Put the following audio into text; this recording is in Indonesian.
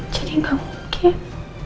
jadi enggak mungkin